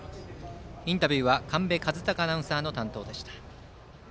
インタビューは神戸和貴アナウンサーの担当でした。